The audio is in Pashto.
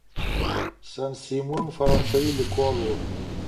سن سیمون فرانسوي لیکوال و.